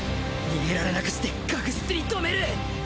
逃げられなくして確実に止める！